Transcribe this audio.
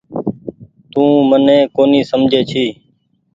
تو مني ڪونيٚ سمجھي ڇي۔